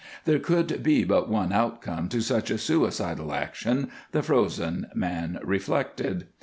There could be but one outcome to such a suicidal action, the frozen man reflected.